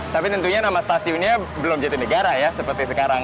tapi tentunya nama stasiunnya belum jatinegara ya seperti sekarang